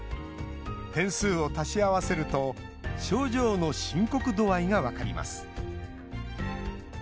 点数を足し合わせると症状の深刻度合いが分かります。